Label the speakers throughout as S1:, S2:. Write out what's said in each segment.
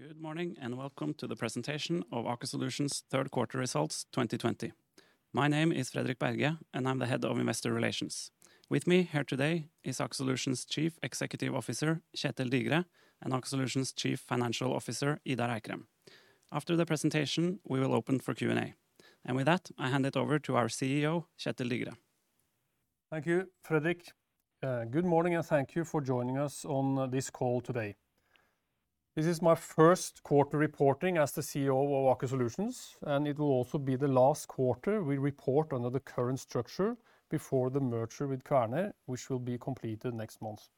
S1: Good morning, welcome to the presentation of Aker Solutions' third quarter results 2020. My name is Fredrik Berge, and I'm the head of investor relations. With me here today is Aker Solutions Chief Executive Officer, Kjetel Digre, and Aker Solutions Chief Financial Officer, Idar Eikrem. After the presentation, we will open for Q&A. With that, I hand it over to our CEO, Kjetel Digre.
S2: Thank you, Fredrik. Good morning, and thank you for joining us on this call today. This is my first quarter reporting as the CEO of Aker Solutions, and it will also be the last quarter we report under the current structure before the merger with Kværner, which will be completed next month.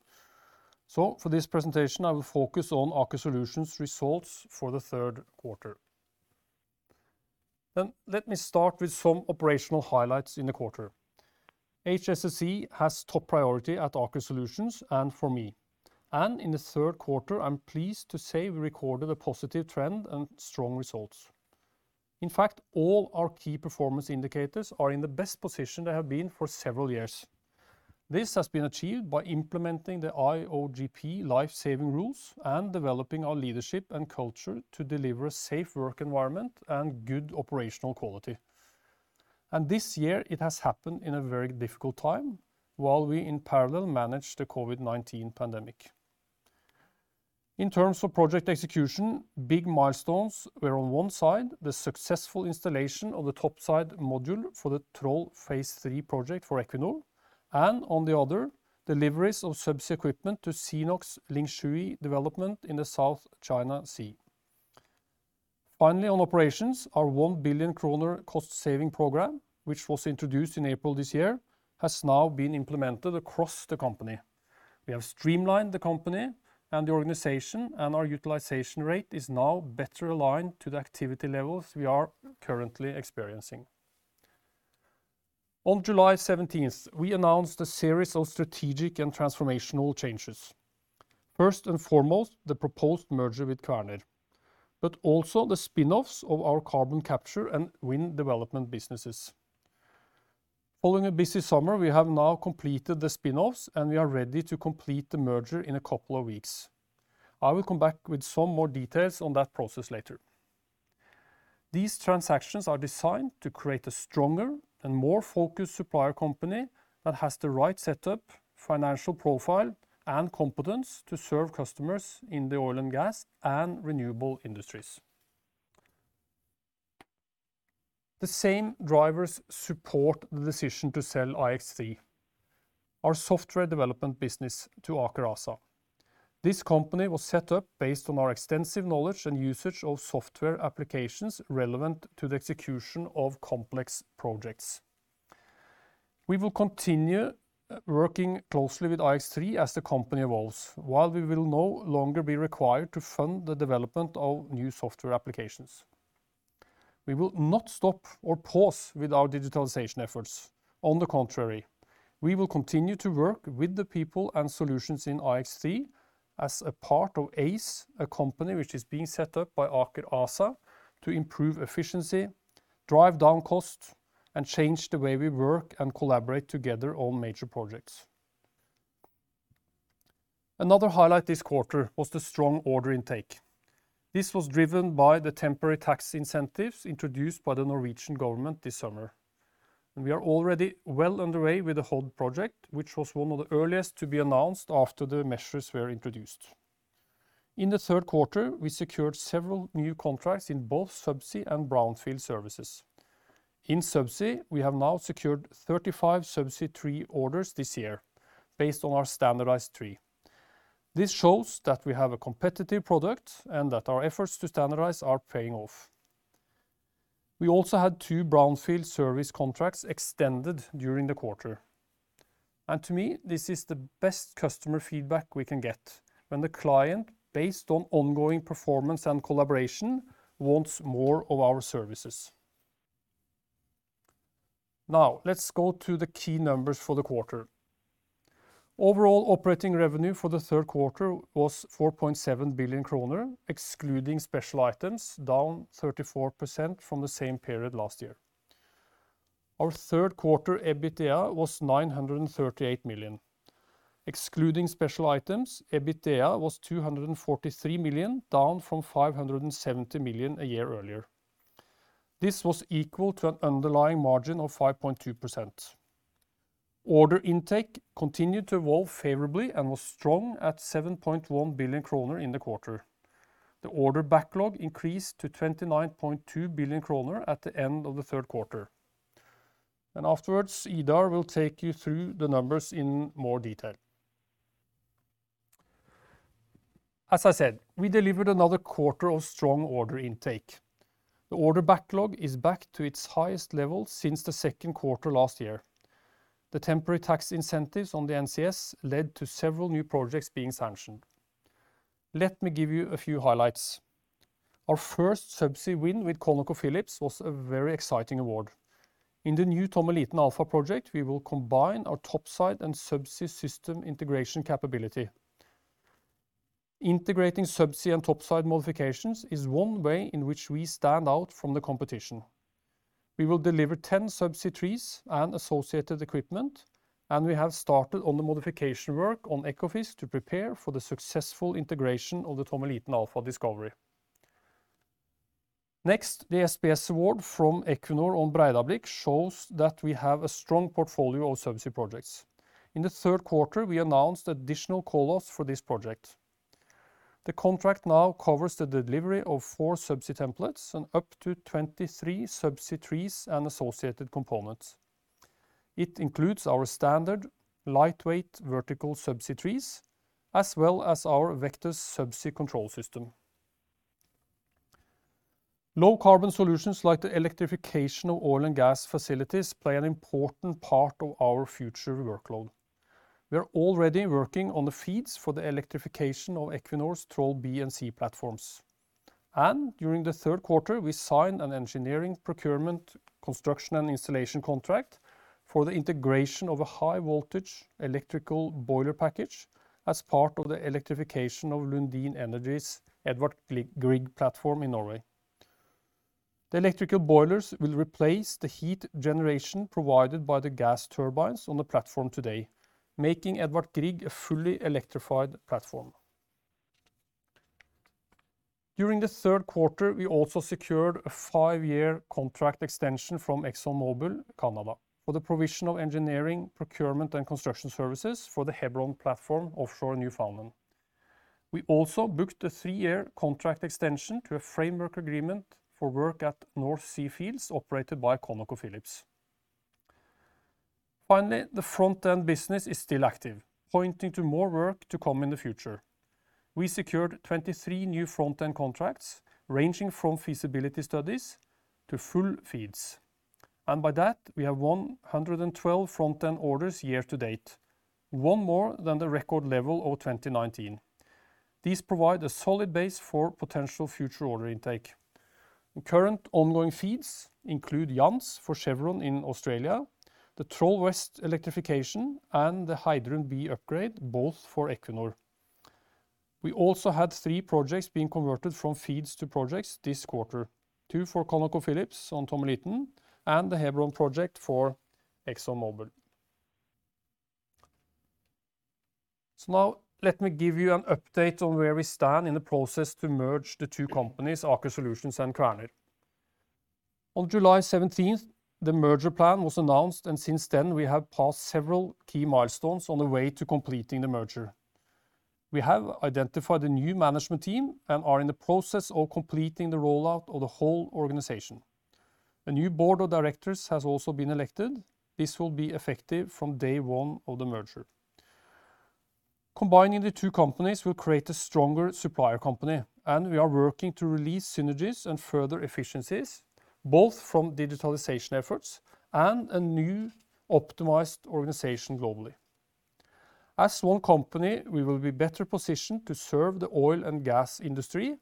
S2: For this presentation, I will focus on Aker Solutions results for the third quarter. Let me start with some operational highlights in the quarter. HSSE has top priority at Aker Solutions and for me, and in the third quarter, I'm pleased to say we recorded a positive trend and strong results. In fact, all our key performance indicators are in the best position they have been for several years. This has been achieved by implementing the IOGP life-saving rules and developing our leadership and culture to deliver a safe work environment and good operational quality. This year, it has happened in a very difficult time while we, in parallel, manage the COVID-19 pandemic. In terms of project execution, big milestones were on one side, the successful installation of the topside module for the Troll phase III project for Equinor, and on the other, deliveries of subsea equipment to CNOOC's Lingshui development in the South China Sea. Finally, on operations, our 1 billion kroner cost-saving program, which was introduced in April this year, has now been implemented across the company. We have streamlined the company and the organization, and our utilization rate is now better aligned to the activity levels we are currently experiencing. On July 17th, we announced a series of strategic and transformational changes. First and foremost, the proposed merger with Kværner, but also the spin-offs of our carbon capture and wind development businesses. Following a busy summer, we have now completed the spin-offs, and we are ready to complete the merger in a couple of weeks. I will come back with some more details on that process later. These transactions are designed to create a stronger and more focused supplier company that has the right setup, financial profile, and competence to serve customers in the oil and gas and renewable industries. The same drivers support the decision to sell ix3, our software development business, to Aker ASA. This company was set up based on our extensive knowledge and usage of software applications relevant to the execution of complex projects. We will continue working closely with ix3 as the company evolves, while we will no longer be required to fund the development of new software applications. We will not stop or pause with our digitalization efforts. On the contrary, we will continue to work with the people and solutions in ix3 as a part of Aize, a company which is being set up by Aker ASA to improve efficiency, drive down costs, and change the way we work and collaborate together on major projects. Another highlight this quarter was the strong order intake. This was driven by the temporary tax incentives introduced by the Norwegian government this summer. We are already well underway with the Hod project, which was one of the earliest to be announced after the measures were introduced. In the third quarter, we secured several new contracts in both subsea and brownfield services. In subsea, we have now secured 35 subsea tree orders this year based on our standardized tree. This shows that we have a competitive product and that our efforts to standardize are paying off. We also had two brownfield service contracts extended during the quarter. To me, this is the best customer feedback we can get when the client, based on ongoing performance and collaboration, wants more of our services. Let's go to the key numbers for the quarter. Overall operating revenue for the third quarter was 4.7 billion kroner, excluding special items, down 34% from the same period last year. Our third quarter EBITDA was 938 million. Excluding special items, EBITDA was 243 million, down from 570 million a year earlier. This was equal to an underlying margin of 5.2%. Order intake continued to evolve favorably and was strong at 7.1 billion kroner in the quarter. The order backlog increased to 29.2 billion kroner at the end of the third quarter. Afterwards, Idar will take you through the numbers in more detail. As I said, we delivered another quarter of strong order intake. The order backlog is back to its highest level since the second quarter last year. The temporary tax incentives on the NCS led to several new projects being sanctioned. Let me give you a few highlights. Our first subsea win with ConocoPhillips was a very exciting award. In the new Tommeliten Alpha project, we will combine our topside and subsea system integration capability. Integrating subsea and topside modifications is one way in which we stand out from the competition. We will deliver 10 subsea trees and associated equipment, and we have started on the modification work on Ekofisk to prepare for the successful integration of the Tommeliten Alpha discovery. Next, the SPS award from Equinor on Breidablikk shows that we have a strong portfolio of subsea projects. In the third quarter, we announced additional call-offs for this project. The contract now covers the delivery of 4 subsea templates and up to 23 subsea trees and associated components. It includes our standard lightweight vertical subsea trees, as well as our Vectus subsea control system. Low carbon solutions like the electrification of oil and gas facilities play an important part of our future workload. We are already working on the FEEDs for the electrification of Equinor's Troll B and C platforms. During the third quarter, we signed an engineering procurement, construction, and installation contract for the integration of a high voltage electrical boiler package as part of the electrification of Lundin Energy's Edvard Grieg platform in Norway. The electrical boilers will replace the heat generation provided by the gas turbines on the platform today, making Edvard Grieg a fully electrified platform. During the third quarter, we also secured a five-year contract extension from ExxonMobil Canada for the provisional engineering, procurement, and construction services for the Hebron platform offshore Newfoundland. We also booked a three-year contract extension to a framework agreement for work at North Sea Fields operated by ConocoPhillips. The front-end business is still active, pointing to more work to come in the future. We secured 23 new front-end contracts ranging from feasibility studies to full FEEDs. By that, we have 112 front-end orders year to date, one more than the record level of 2019. These provide a solid base for potential future order intake. Current ongoing FEEDs include Jansz for Chevron in Australia, the Troll West electrification, and the Heidrun B upgrade, both for Equinor. We also had three projects being converted from FEEDs to projects this quarter, two for ConocoPhillips on Tommeliten, and the Hebron project for ExxonMobil. Now let me give you an update on where we stand in the process to merge the two companies, Aker Solutions and Kværner. On July 17th, the merger plan was announced, since then we have passed several key milestones on the way to completing the merger. We have identified the new management team and are in the process of completing the rollout of the whole organization. A new board of directors has also been elected. This will be effective from day one of the merger. Combining the two companies will create a stronger supplier company, we are working to release synergies and further efficiencies, both from digitalization efforts and a new optimized organization globally. As one company, we will be better positioned to serve the oil and gas industry,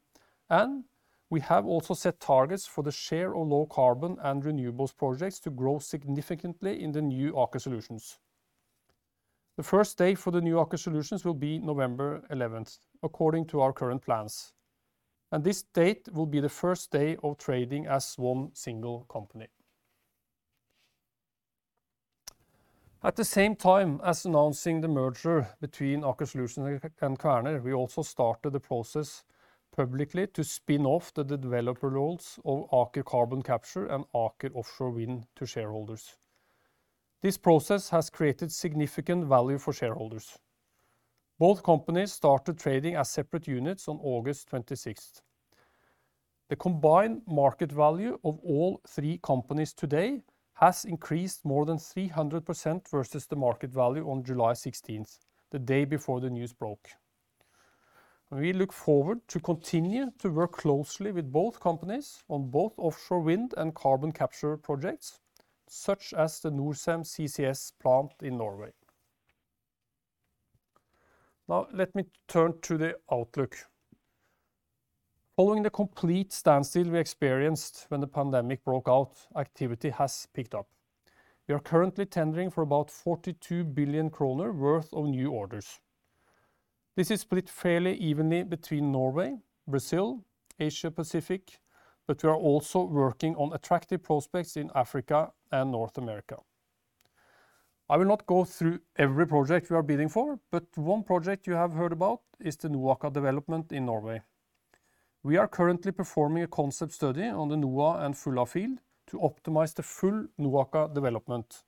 S2: and we have also set targets for the share of low carbon and renewables projects to grow significantly in the new Aker Solutions. The first day for the new Aker Solutions will be November 11th according to our current plans. This date will be the first day of trading as one single company. At the same time as announcing the merger between Aker Solutions and Kværner, we also started the process publicly to spin off the developer roles of Aker Carbon Capture and Aker Offshore Wind to shareholders. This process has created significant value for shareholders. Both companies started trading as separate units on August 26th. The combined market value of all three companies today has increased more than 300% versus the market value on July 16th, the day before the news broke. We look forward to continue to work closely with both companies on both offshore wind and carbon capture projects, such as the Norcem CCS plant in Norway. Now let me turn to the outlook. Following the complete standstill we experienced when the pandemic broke out, activity has picked up. We are currently tendering for about 42 billion kroner worth of new orders. This is split fairly evenly between Norway, Brazil, Asia Pacific, but we are also working on attractive prospects in Africa and North America. I will not go through every project we are bidding for, but one project you have heard about is the NOAKA development in Norway. We are currently performing a concept study on the NOA and Fulla field to optimize the full NOAKA development.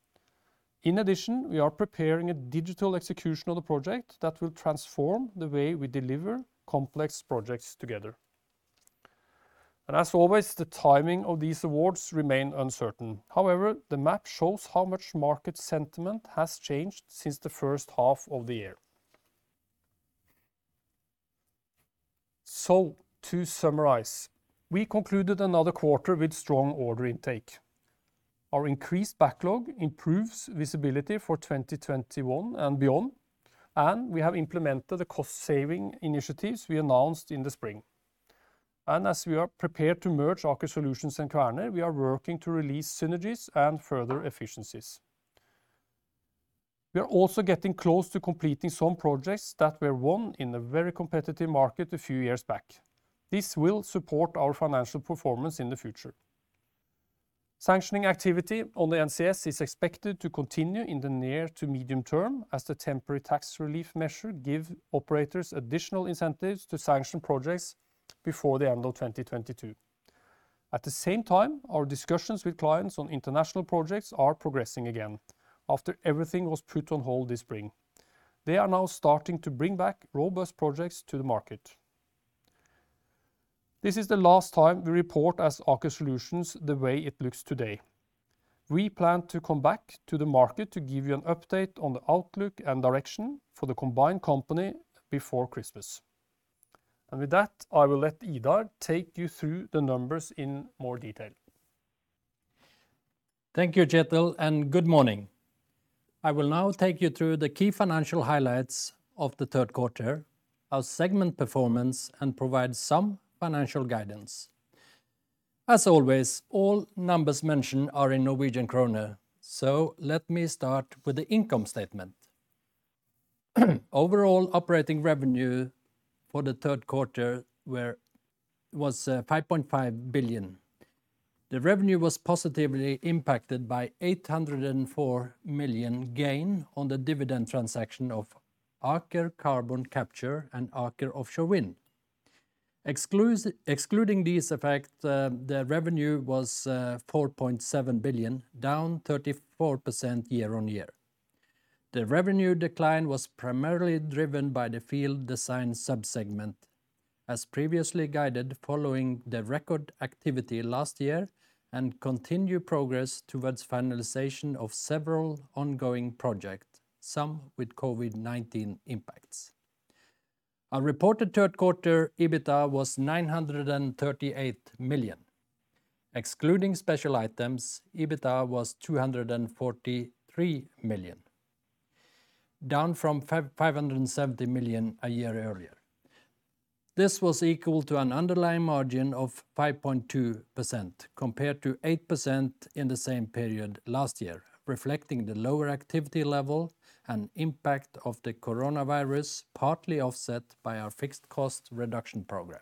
S2: In addition, we are preparing a digital execution of the project that will transform the way we deliver complex projects together. As always, the timing of these awards remain uncertain. However, the map shows how much market sentiment has changed since the first half of the year. To summarize, we concluded another quarter with strong order intake. Our increased backlog improves visibility for 2021 and beyond, and we have implemented the cost-saving initiatives we announced in the spring. As we are prepared to merge Aker Solutions and Kværner, we are working to release synergies and further efficiencies. We are also getting close to completing some projects that were won in a very competitive market a few years back. This will support our financial performance in the future. Sanctioning activity on the NCS is expected to continue in the near to medium term, as the temporary tax relief measure give operators additional incentives to sanction projects before the end of 2022. At the same time, our discussions with clients on international projects are progressing again after everything was put on hold this spring. They are now starting to bring back robust projects to the market. This is the last time we report as Aker Solutions the way it looks today. We plan to come back to the market to give you an update on the outlook and direction for the combined company before Christmas. With that, I will let Idar take you through the numbers in more detail.
S3: Thank you, Kjetel, and good morning. I will now take you through the key financial highlights of the third quarter, our segment performance, and provide some financial guidance. As always, all numbers mentioned are in Norwegian kroner. Let me start with the income statement. Overall operating revenue for the third quarter was 5.5 billion. The revenue was positively impacted by 804 million gain on the dividend transaction of Aker Carbon Capture and Aker Offshore Wind. Excluding these effects, the revenue was 4.7 billion, down 34% year-on-year. The revenue decline was primarily driven by the Field Design sub-segment, as previously guided, following the record activity last year and continued progress towards finalization of several ongoing projects, some with COVID-19 impacts. Our reported third quarter EBITDA was 938 million. Excluding special items, EBITDA was 243 million, down from 570 million a year earlier. This was equal to an underlying margin of 5.2%, compared to 8% in the same period last year, reflecting the lower activity level and impact of the coronavirus, partly offset by our fixed cost reduction program.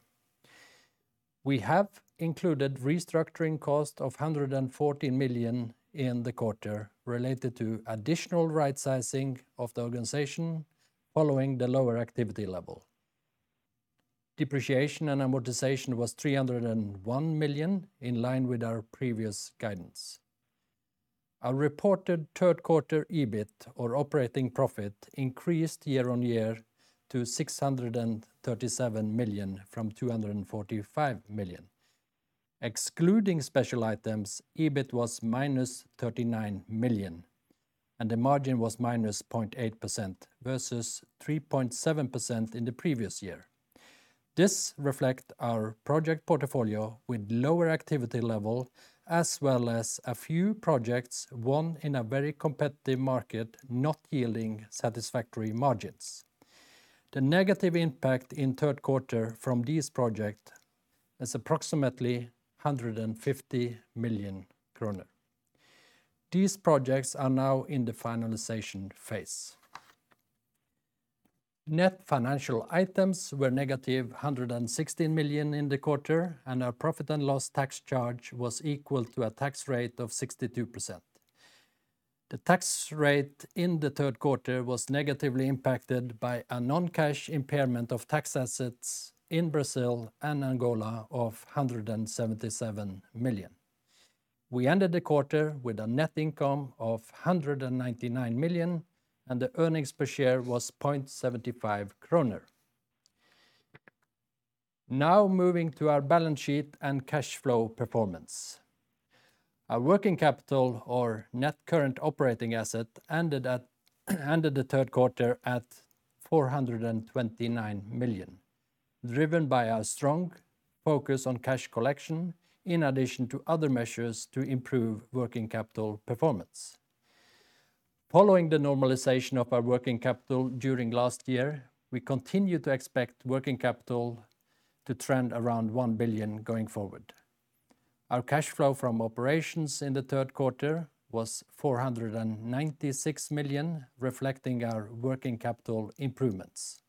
S3: We have included restructuring cost of 114 million in the quarter related to additional rightsizing of the organization following the lower activity level. Depreciation and amortization was 301 million, in line with our previous guidance. Our reported third quarter EBIT or operating profit increased year-over-year to 637 million from 245 million. Excluding special items, EBIT was minus 39 million, and the margin was minus 0.8% versus 3.7% in the previous year. This reflect our project portfolio with lower activity level as well as a few projects won in a very competitive market not yielding satisfactory margins. The negative impact in third quarter from these project is approximately 150 million kroner. These projects are now in the finalization phase. Net financial items were negative 116 million in the quarter, and our profit and loss tax charge was equal to a tax rate of 62%. The tax rate in the third quarter was negatively impacted by a non-cash impairment of tax assets in Brazil and Angola of 177 million. We ended the quarter with a net income of 199 million, and the earnings per share was 0.75 kroner. Now moving to our balance sheet and cash flow performance. Our working capital or net current operating asset ended the third quarter at 429 million, driven by our strong focus on cash collection in addition to other measures to improve working capital performance. Following the normalization of our working capital during last year, we continue to expect working capital to trend around 1 billion going forward. Our cash flow from operations in the third quarter was 496 million, reflecting our working capital improvements.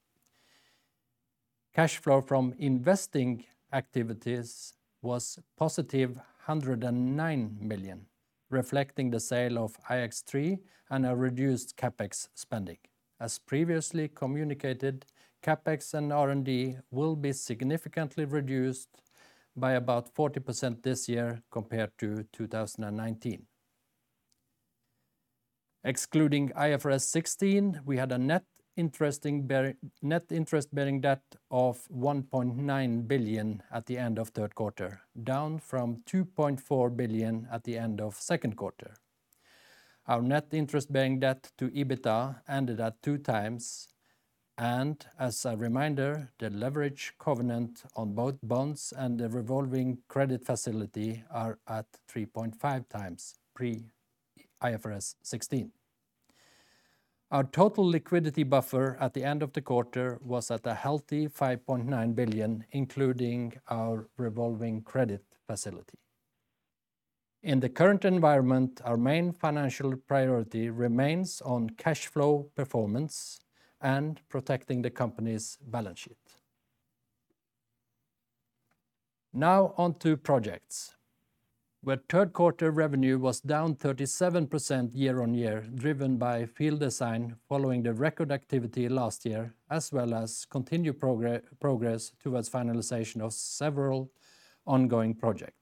S3: Cash flow from investing activities was positive 109 million, reflecting the sale of ix3 and a reduced CapEx spending. As previously communicated, CapEx and R&D will be significantly reduced by about 40% this year compared to 2019. Excluding IFRS 16, we had a net interest-bearing debt of 1.9 billion at the end of third quarter, down from 2.4 billion at the end of second quarter. Our net interest bearing debt to EBITDA ended at two times, and as a reminder, the leverage covenant on both bonds and the revolving credit facility are at 3.5 times pre-IFRS 16. Our total liquidity buffer at the end of the quarter was at a healthy 5.9 billion, including our revolving credit facility. In the current environment, our main financial priority remains on cash flow performance and protecting the company's balance sheet. Now on to Projects, where third quarter revenue was down 37% year-on-year, driven by Field Design following the record activity last year, as well as continued progress towards finalization of several ongoing project.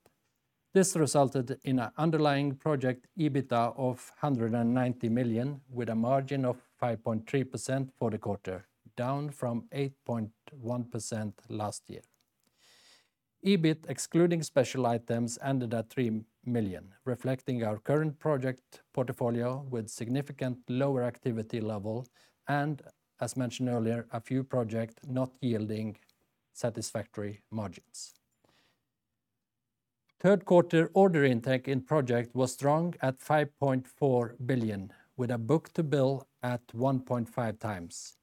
S3: This resulted in an underlying Project EBITDA of 190 million, with a margin of 5.3% for the quarter, down from 8.1% last year. EBIT, excluding special items, ended at 3 million, reflecting our current project portfolio with significant lower activity level and, as mentioned earlier, a few project not yielding satisfactory margins. Third quarter order intake in Project was strong at 5.4 billion, with a book-to-bill at 1.5 times,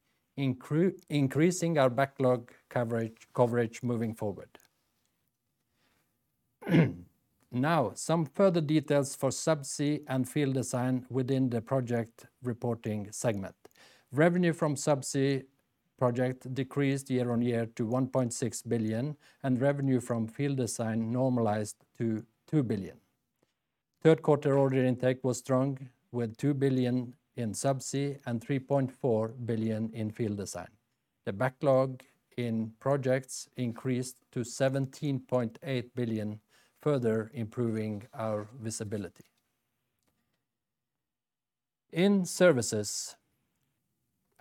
S3: increasing our backlog coverage moving forward. Now some further details for Subsea and Field Design within the Projects segment. Revenue from Subsea project decreased year-over-year to 1.6 billion, revenue from Field Design normalized to 2 billion. Third quarter order intake was strong with 2 billion in Subsea and 3.4 billion in Field Design. The backlog in Projects increased to 17.8 billion, further improving our visibility. In Services,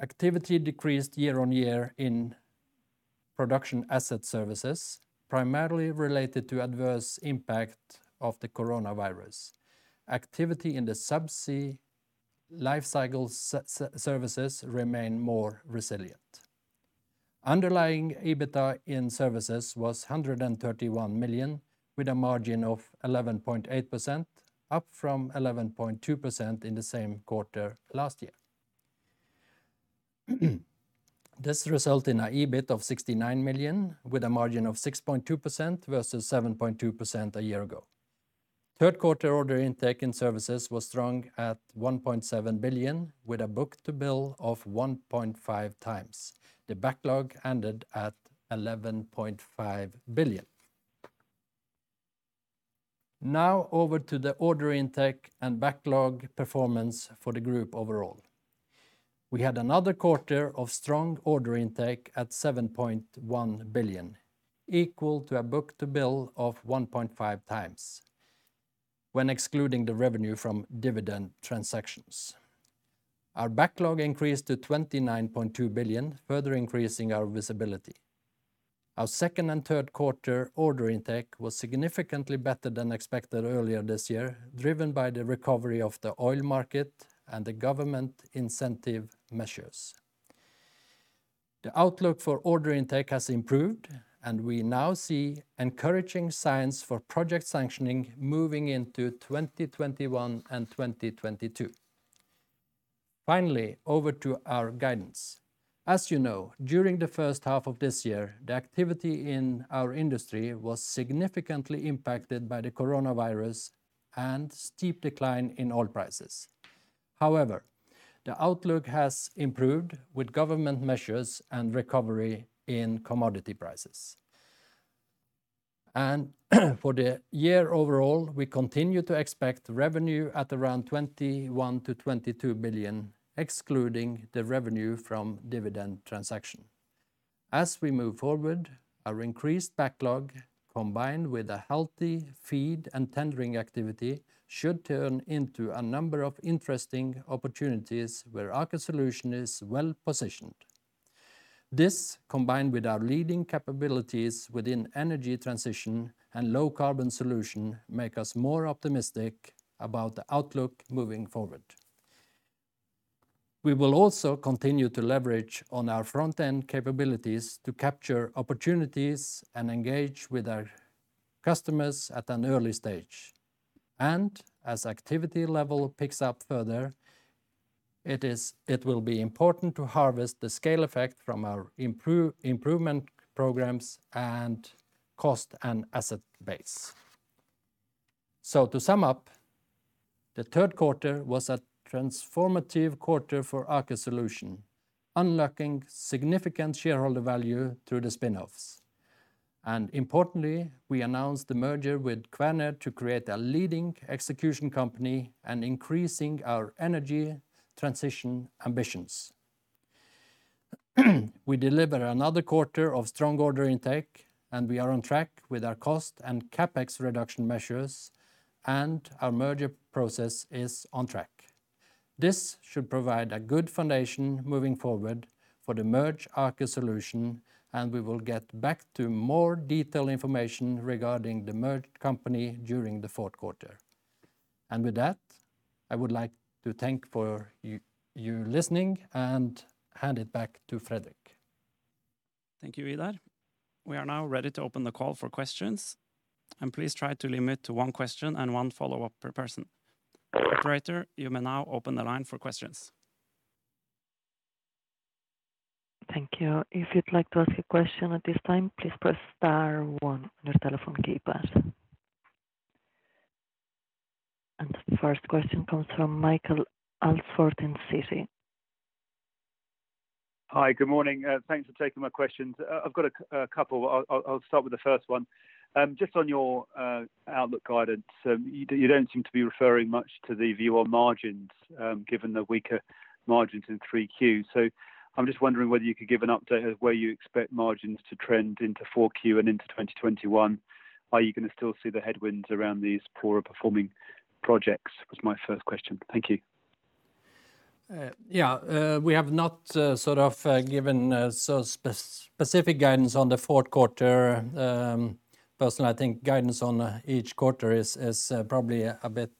S3: activity decreased year-over-year in Production Asset Services, primarily related to adverse impact of the COVID-19. Activity in the Subsea Lifecycle Services remain more resilient. Underlying EBITDA in Services was 131 million, with a margin of 11.8%, up from 11.2% in the same quarter last year. This result in a EBIT of 69 million, with a margin of 6.2% versus 7.2% a year ago. Third quarter order intake in Services was strong at 1.7 billion, with a book-to-bill of 1.5 times. The backlog ended at 11.5 billion. Now over to the order intake and backlog performance for the group overall. We had another quarter of strong order intake at 7.1 billion, equal to a book-to-bill of 1.5 times when excluding the revenue from dividend transactions. Our backlog increased to 29.2 billion, further increasing our visibility. Our second and third quarter order intake was significantly better than expected earlier this year, driven by the recovery of the oil market and the government incentive measures. The outlook for order intake has improved, and we now see encouraging signs for project sanctioning moving into 2021 and 2022. Finally, over to our guidance. As you know, during the first half of this year, the activity in our industry was significantly impacted by the COVID-19 and steep decline in oil prices. However, the outlook has improved with government measures and recovery in commodity prices. For the year overall, we continue to expect revenue at around 21 billion-22 billion, excluding the revenue from dividend transaction. As we move forward, our increased backlog, combined with a healthy FEEDs and tendering activity, should turn into a number of interesting opportunities where Aker Solutions is well-positioned. This, combined with our leading capabilities within energy transition and low-carbon solution, make us more optimistic about the outlook moving forward. We will also continue to leverage on our front-end capabilities to capture opportunities and engage with our customers at an early stage. As activity level picks up further, it will be important to harvest the scale effect from our improvement programs and cost and asset base. To sum up, the third quarter was a transformative quarter for Aker Solutions, unlocking significant shareholder value through the spin-offs. Importantly, we announced the merger with Kværner to create a leading execution company and increasing our energy transition ambitions. We deliver another quarter of strong order intake, and we are on track with our cost and CapEx reduction measures, and our merger process is on track. This should provide a good foundation moving forward for the merged Aker Solutions, and we will get back to more detailed information regarding the merged company during the fourth quarter. With that, I would like to thank for you listening and hand it back to Fredrik.
S1: Thank you, Idar. We are now ready to open the call for questions. Please try to limit to one question and one follow-up per person. Operator, you may now open the line for questions.
S4: Thank you. If you'd like to ask a question at this time, please press star one on your telephone keypad. The first question comes from Michael Alford in Citi.
S5: Hi. Good morning. Thanks for taking my questions. I've got a couple. I'll start with the first one. Just on your outlook guidance, you don't seem to be referring much to the view on margins, given the weaker margins in 3Q. I'm wondering whether you could give an update of where you expect margins to trend into 4Q and into 2021. Are you going to still see the headwinds around these poorer performing projects? Was my first question. Thank you.
S3: Yeah. We have not given specific guidance on the fourth quarter. Personally, I think guidance on each quarter is probably a bit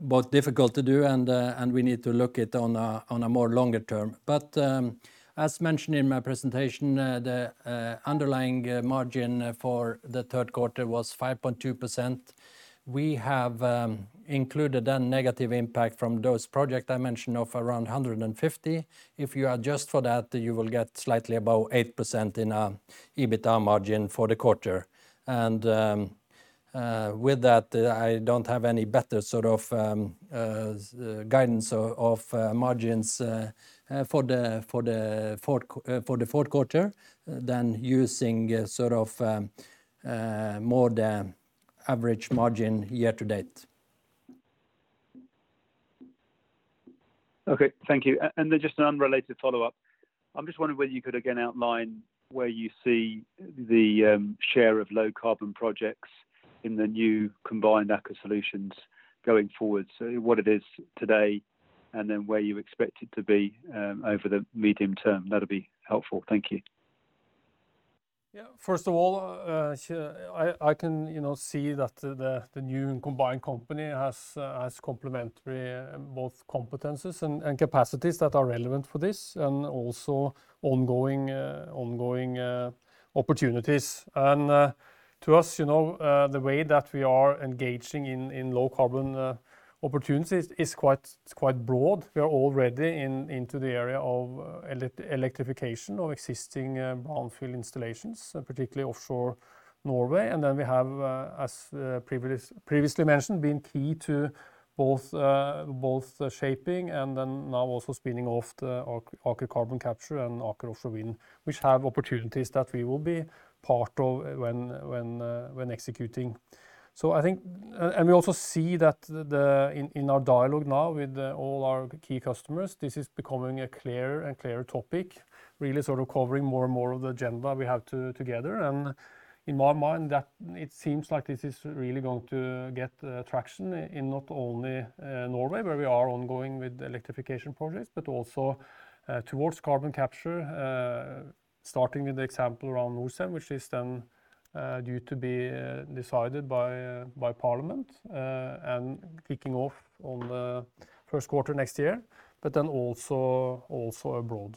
S3: both difficult to do and we need to look it on a more longer term. As mentioned in my presentation, the underlying margin for the third quarter was 5.2%. We have included a negative impact from those project I mentioned of around 150. If you adjust for that, you will get slightly above 8% in our EBITDA margin for the quarter. With that, I don't have any better sort of guidance of margins for the fourth quarter than using more than average margin year to date.
S5: Okay. Thank you. Just an unrelated follow-up. I'm just wondering whether you could again outline where you see the share of low-carbon projects in the new combined Aker Solutions going forward. What it is today, and then where you expect it to be over the medium term. That'll be helpful. Thank you.
S2: First of all, I can see that the new combined company has complementary both competences and capacities that are relevant for this, and also ongoing opportunities. To us, the way that we are engaging in low-carbon opportunities is quite broad. We are already into the area of electrification of existing brownfield installations, particularly offshore Norway. Then we have, as previously mentioned, been key to both shaping and then now also spinning off the Aker Carbon Capture and Aker Offshore Wind, which have opportunities that we will be part of when executing. We also see that in our dialogue now with all our key customers, this is becoming a clearer and clearer topic, really sort of covering more and more of the agenda we have together. In my mind, it seems like this is really going to get traction in not only Norway, where we are ongoing with electrification projects, but also towards carbon capture, starting with the example around Norcem, which is due to be decided by Parliament, kicking off on the first quarter next year, also abroad.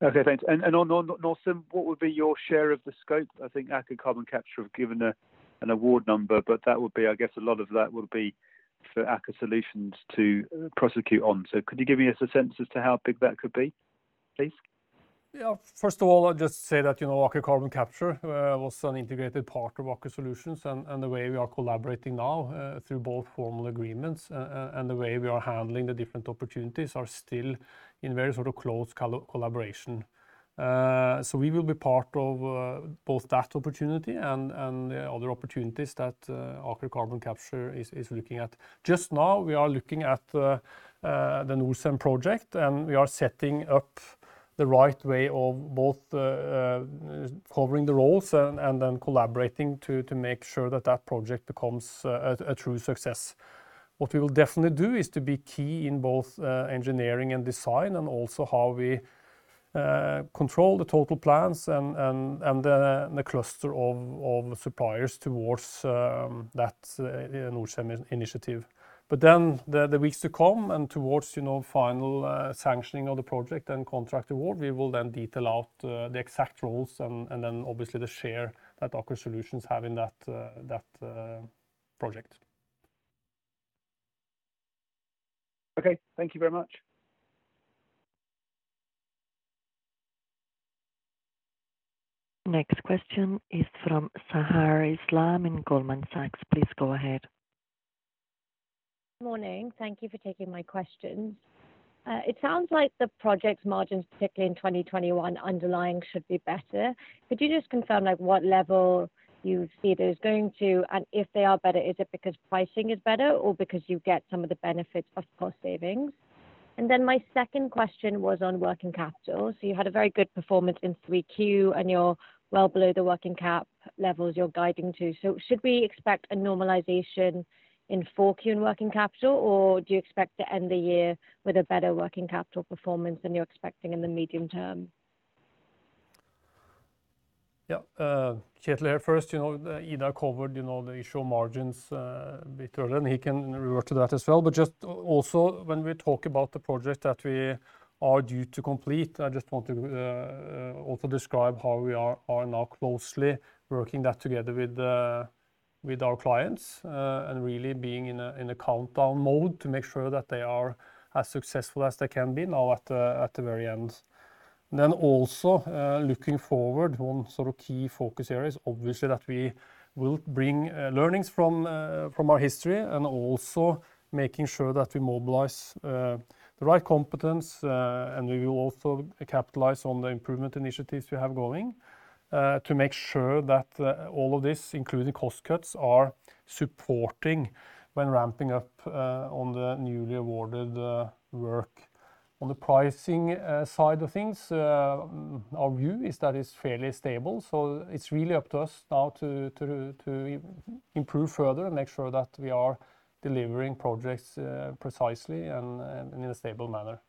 S5: Okay. Thanks. On Norcem, what would be your share of the scope? I think Aker Carbon Capture have given an award number, but I guess a lot of that would be for Aker Solutions to prosecute on. Could you give me a sense as to how big that could be, please?
S2: Yeah. First of all, I'll just say that Aker Carbon Capture was an integrated part of Aker Solutions, and the way we are collaborating now through both formal agreements and the way we are handling the different opportunities are still in very close collaboration. We will be part of both that opportunity and the other opportunities that Aker Carbon Capture is looking at. Just now, we are looking at the Norcem project, and we are setting up the right way of both covering the roles and then collaborating to make sure that that project becomes a true success. What we will definitely do is to be key in both engineering and design, and also how we control the total plans and the cluster of suppliers towards that Norcem initiative. The weeks to come and towards final sanctioning of the project and contract award, we will then detail out the exact roles and then obviously the share that Aker Solutions have in that project.
S5: Okay. Thank you very much.
S4: Next question is from Sahar Islam in Goldman Sachs. Please go ahead.
S6: Morning. Thank you for taking my questions. It sounds like the project margins, particularly in 2021 underlying should be better. Could you just confirm what level you see those going to? If they are better, is it because pricing is better or because you get some of the benefits of cost savings? My second question was on working capital. You had a very good performance in Q3, and you're well below the working cap levels you're guiding to. Should we expect a normalization in Q4 in working capital, or do you expect to end the year with a better working capital performance than you're expecting in the medium term?
S2: Yeah. Kjetel here first. Idar covered the issue of margins a bit earlier, and he can revert to that as well. Just also when we talk about the project that we are due to complete, I just want to also describe how we are now closely working that together with our clients, and really being in a countdown mode to make sure that they are as successful as they can be now at the very end. Also, looking forward, one key focus area is obviously that we will bring learnings from our history and also make sure that we mobilize the right competence, and we will also capitalize on the improvement initiatives we have going to make sure that all of this, including cost cuts, are supporting when ramping up on the newly awarded work. On the pricing side of things, our view is that it's fairly stable, so it's really up to us now to improve further and make sure that we are delivering projects precisely and in a stable manner.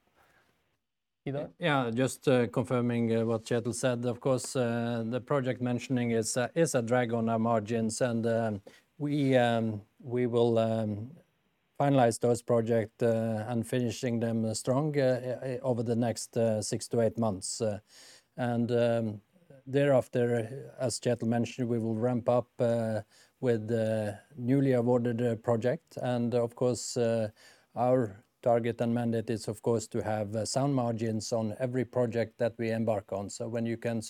S2: Idar?
S3: Yeah, just confirming what Kjetel said. The project mentioning is a drag on our margins, and we will finalize those projects and finish them strong over the next 6-8 months. Thereafter, as Kjetel mentioned, we will ramp up with the newly awarded project. Our target and mandate is, of course, to have sound margins on every project that we embark on. When you can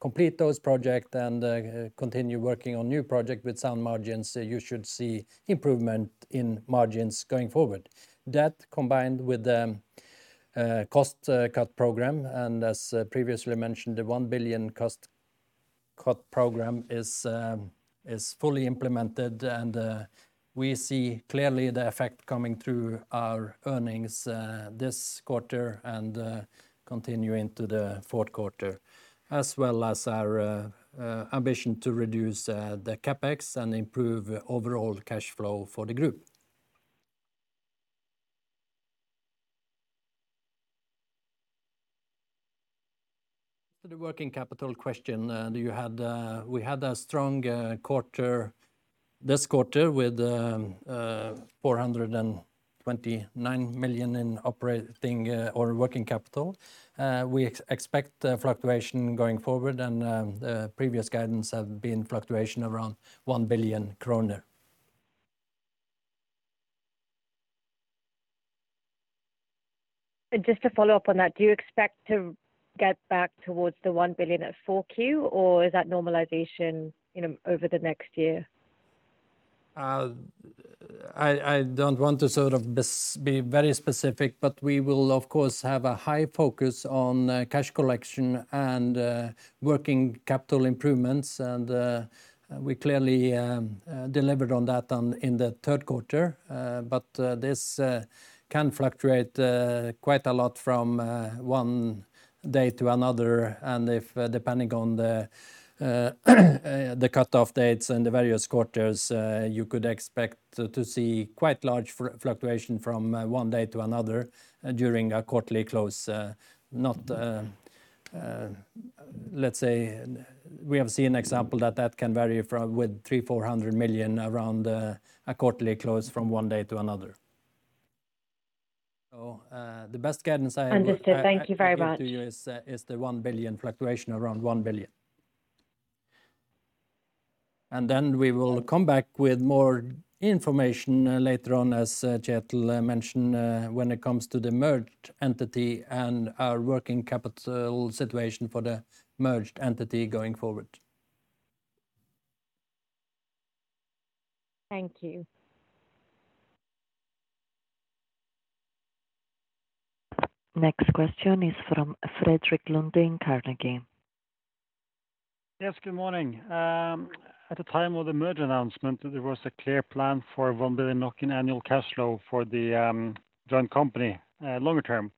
S3: complete those projects and continue working on new projects with sound margins, you should see improvement in margins going forward. That, combined with the cost cut program, and as previously mentioned, the 1 billion cost cut program is fully implemented, and we see clearly the effect coming through our earnings this quarter and continuing to the fourth quarter, as well as our ambition to reduce the CapEx and improve overall cash flow for the group. To the working capital question, we had a strong quarter this quarter with 429 million in operating or working capital. We expect fluctuation going forward, and the previous guidance has been fluctuation around 1 billion kroner.
S6: Just to follow up on that, do you expect to get back towards the 1 billion at 4Q, or is that normalization over the next year?
S3: I don't want to be very specific, we will, of course, have a high focus on cash collection and working capital improvements. We clearly delivered on that in the third quarter. This can fluctuate quite a lot from one day to another, and if, depending on the cutoff dates and the various quarters, you could expect to see quite large fluctuation from one day to another during a quarterly close. Let's say we have seen an example that can vary with 300 million or 400 million around a quarterly close from one day to another. The best guidance I have.
S6: Understood. Thank you very much.
S3: I can give to you is the fluctuation around 1 billion. We will come back with more information later on, as Kjetel mentioned, when it comes to the merged entity and our working capital situation for the merged entity going forward.
S6: Thank you.
S4: Next question is from Frederik Lunde, Carnegie.
S7: Yes, good morning. At the time of the merger announcement, there was a clear plan for 1 billion in annual cash flow for the joint company longer term.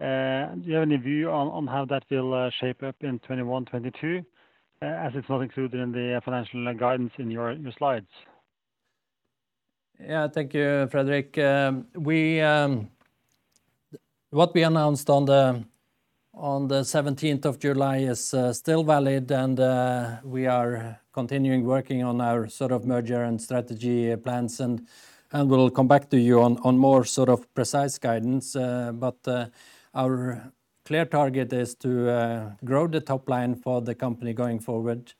S7: Do you have any view on how that will shape up in 2021, 2022, as it's not included in the financial guidance in your slides?
S3: Thank you, Fredrik. What we announced on the 17th of July is still valid, and we are continuing working on our merger and strategy plans, and we'll come back to you on more precise guidance. Our clear target is to grow the top line for the company going forward.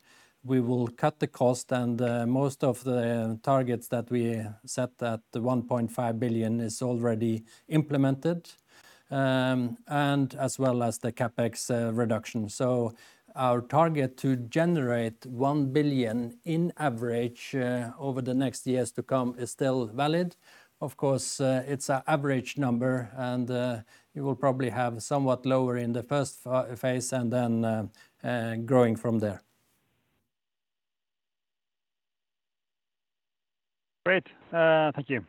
S3: We will cut the cost, and most of the targets that we set at the 1.5 billion is already implemented, as well as the CapEx reduction. Our target to generate 1 billion on average over the next years to come is still valid. Of course, it's an average number, and you will probably have somewhat lower in the first phase and then growing from there.
S7: Great. Thank you.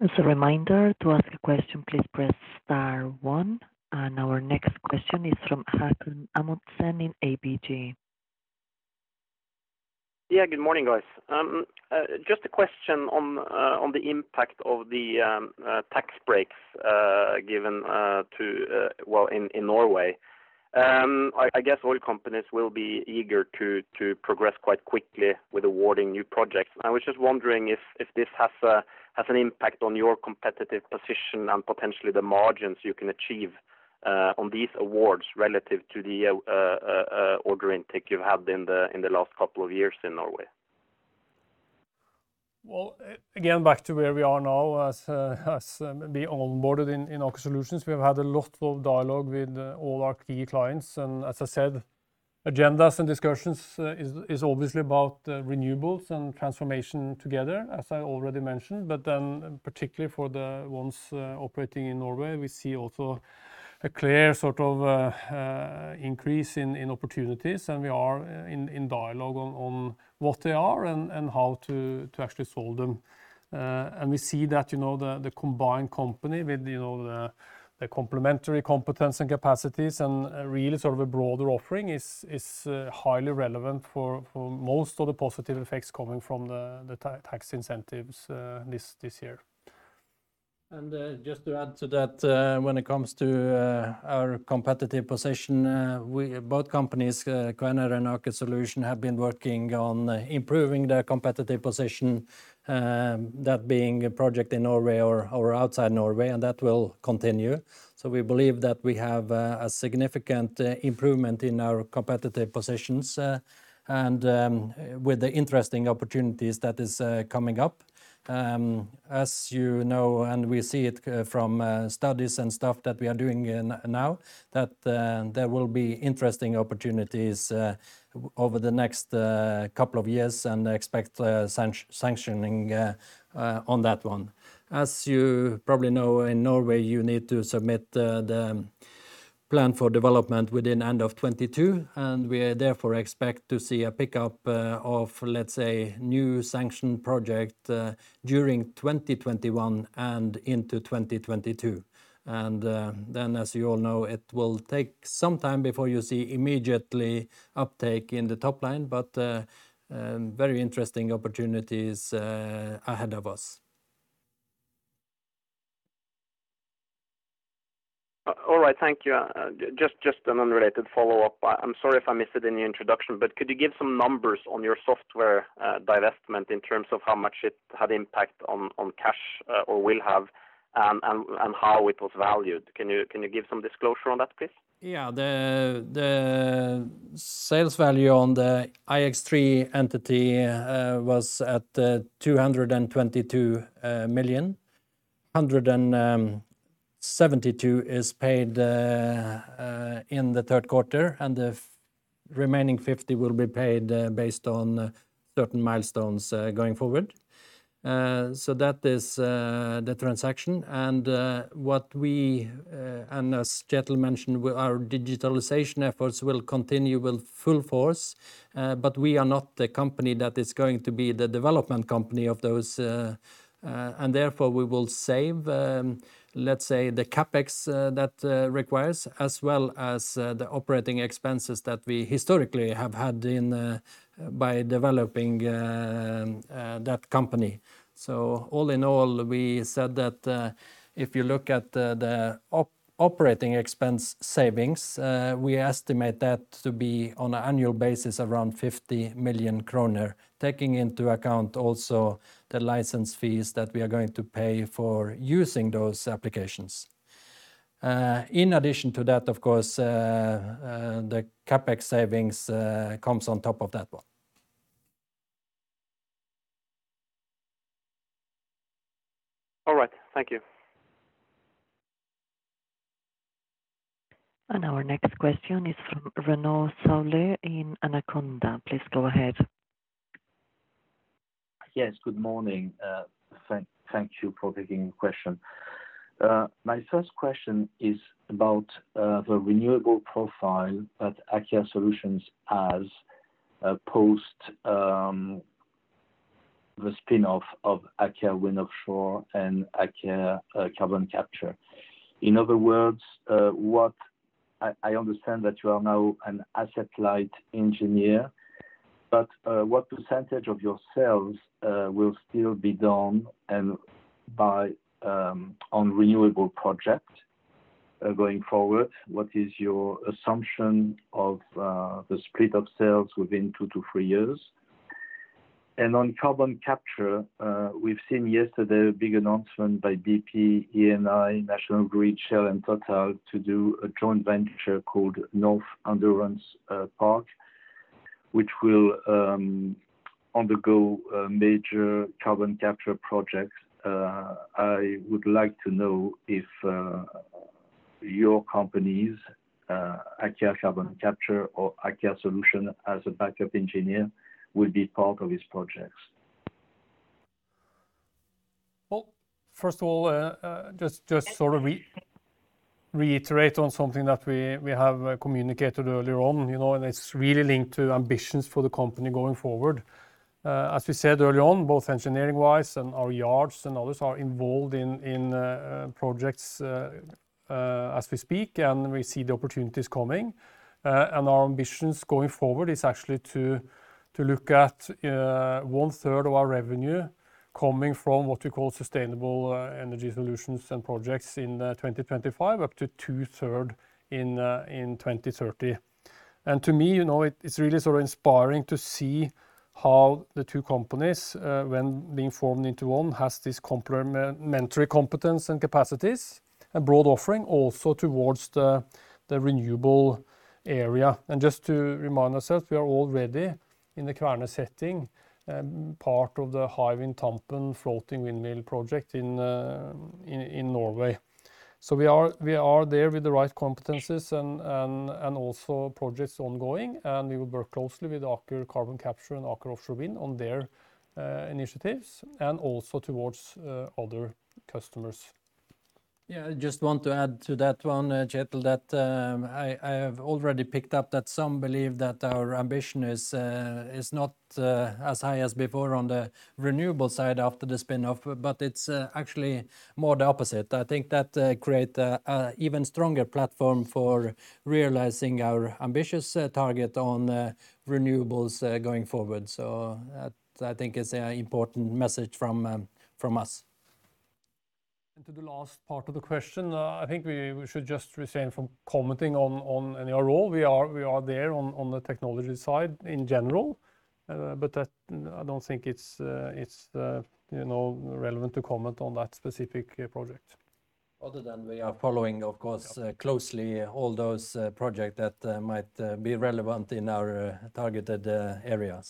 S4: As a reminder, to ask a question, please press star one. Our next question is from Haakon Amundsen in ABG.
S8: Yeah, good morning, guys. Just a question on the impact of the tax breaks given in Norway. I guess oil companies will be eager to progress quite quickly with awarding new projects. I was just wondering if this has an impact on your competitive position and potentially the margins you can achieve on these awards relative to the order intake you've had in the last couple of years in Norway.
S2: Well, again, back to where we are now as being onboarded in Aker Solutions, we have had a lot of dialogue with all our key clients. As I said, agendas and discussions is obviously about renewables and transformation together as I already mentioned. Particularly for the ones operating in Norway, we see also a clear increase in opportunities. We are in dialogue on what they are and how to actually solve them. We see that the combined company with the complementary competence and capacities and really a broader offering is highly relevant for most of the positive effects coming from the tax incentives this year.
S3: Just to add to that, when it comes to our competitive position, both companies, Kværner and Aker Solutions have been working on improving their competitive position, that being a project in Norway or outside Norway, and that will continue. We believe that we have a significant improvement in our competitive positions, and with the interesting opportunities that is coming up. As you know, and we see it from studies and stuff that we are doing now, that there will be interesting opportunities over the next couple of years and expect sanctioning on that one. As you probably know, in Norway, you need to submit the plan for development within end of 2022, and we therefore expect to see a pickup of, let's say, new sanction project during 2021 and into 2022. As you all know, it will take some time before you see immediately uptake in the top line, but very interesting opportunities ahead of us.
S8: All right. Thank you. Just an unrelated follow-up. I'm sorry if I missed it in the introduction, could you give some numbers on your software divestment in terms of how much it had impact on cash, or will have, and how it was valued? Can you give some disclosure on that, please?
S3: Yeah. The sales value on the ix3 entity was at 222 million. 172 is paid in the third quarter, and the remaining 50 will be paid based on certain milestones going forward. That is the transaction, and as Kjetel mentioned, our digitalization efforts will continue with full force. We are not the company that is going to be the development company of those, and therefore we will save, let's say, the CapEx that requires, as well as the operating expenses that we historically have had by developing that company. All in all, we said that if you look at the operating expense savings, we estimate that to be on an annual basis around 50 million kroner, taking into account also the license fees that we are going to pay for using those applications. In addition to that, of course, the CapEx savings comes on top of that one.
S8: All right. Thank you.
S4: Our next question is from Renaud Saulle in Anaconda. Please go ahead.
S9: Yes, good morning. Thank you for taking the question. My first question is about the renewable profile that Aker Solutions has post the spin-off of Aker Offshore Wind and Aker Carbon Capture. In other words, I understand that you are now an asset-light engineer, but what % of your sales will still be done on renewable project going forward? What is your assumption of the split of sales within two to three years? On carbon capture, we've seen yesterday a big announcement by BP, Eni, National Grid, Shell and Total to do a joint venture called Northern Endurance Partnership, which will undergo major carbon capture projects. I would like to know if your company's Aker Carbon Capture or Aker Solutions as a backup engineer will be part of these projects.
S2: Well, first of all just sort of reiterate on something that we have communicated earlier on, it's really linked to ambitions for the company going forward. As we said earlier on, both engineering-wise and our yards and others are involved in projects as we speak. We see the opportunities coming. Our ambitions going forward is actually to look at 1/3 of our revenue coming from what we call sustainable energy solutions and projects in 2025, up to 2/3 in 2030. To me, it's really sort of inspiring to see how the two companies, when being formed into one, has this complementary competence and capacities, a broad offering also towards the renewable area. Just to remind ourselves, we are already in the Kværner setting part of the Hywind Tampen floating windmill project in Norway. We are there with the right competencies and also projects ongoing, and we will work closely with Aker Carbon Capture and Aker Offshore Wind on their initiatives and also towards other customers.
S3: Yeah, I just want to add to that one, Kjetel, that I have already picked up that some believe that our ambition is not as high as before on the renewable side after the spin-off, but it's actually more the opposite. I think that create a even stronger platform for realizing our ambitious target on renewables going forward. That I think is an important message from us.
S2: To the last part of the question, I think we should just refrain from commenting on any at all. We are there on the technology side in general. I don't think it's relevant to comment on that specific project.
S3: Other than we are following, of course, closely all those project that might be relevant in our targeted area.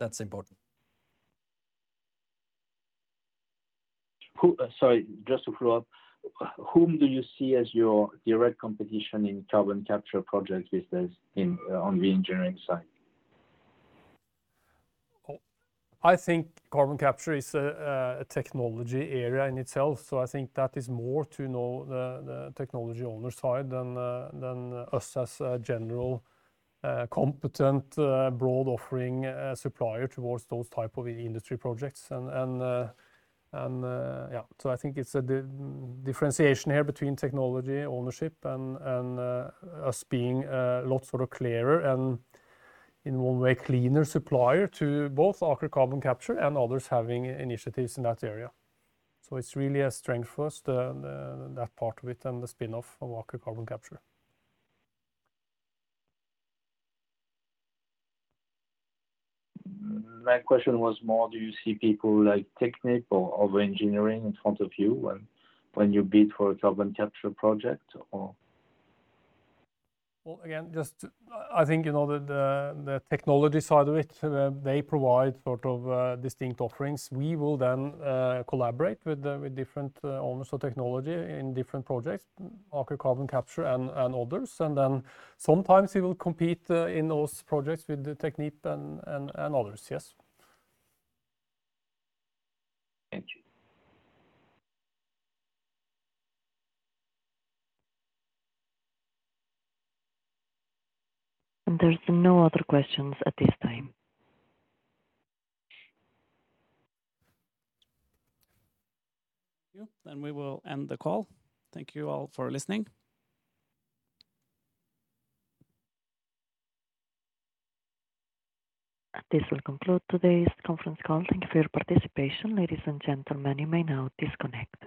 S3: That's important.
S9: Sorry, just to follow up. Whom do you see as your direct competition in carbon capture project business on the engineering side?
S2: I think carbon capture is a technology area in itself. I think that is more to know the technology owner side than us as a general competent broad offering supplier towards those type of industry projects. I think it's a differentiation here between technology ownership and us being a lot sort of clearer and, in one way, cleaner supplier to both Aker Carbon Capture and others having initiatives in that area. It's really a strength for us, that part of it, and the spinoff of Aker Carbon Capture.
S9: My question was more do you see people like Technip or other engineering in front of you when you bid for a carbon capture project or?
S2: Well, again, just I think, the technology side of it, they provide sort of distinct offerings. We will then collaborate with different owners of technology in different projects, Aker Carbon Capture and others, and then sometimes we will compete in those projects with Technip and others. Yes.
S9: Thank you.
S4: There's no other questions at this time.
S2: Thank you. We will end the call. Thank you all for listening.
S4: This will conclude today's conference call. Thank you for your participation. Ladies and gentlemen, you may now disconnect.